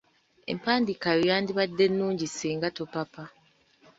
Empandiika yo yandibadde nnungi singa topapa.